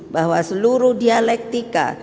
bahwa seluruh dialektika